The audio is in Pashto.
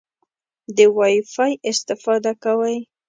د وای فای استفاده کوئ؟